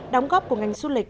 đóng góp của ngành du lịch